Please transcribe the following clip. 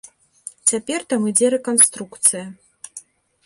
Цяпер там ідзе рэканструкцыя.